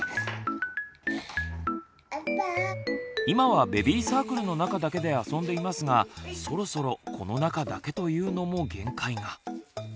今はベビーサークルの中だけで遊んでいますがそろそろこの中だけというのも限界が。